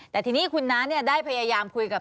แต่ทีนี้คุณน้าได้พยายามคุยกับ